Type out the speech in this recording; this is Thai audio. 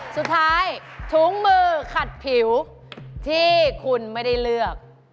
สุดท้ายถุงมือขัดผิวที่คุณไม่ได้เลือก